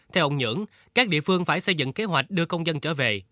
theo ông nhưỡng các địa phương phải xây dựng kế hoạch đưa công dân trở về